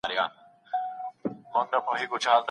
هغه ولي په ګڼ ځای کي د ږغ سره ډوډۍ راوړې ده؟